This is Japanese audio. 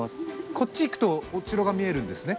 こっち行くとお城が見えるんですね